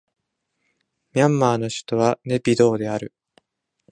ミャンマーの首都はネピドーである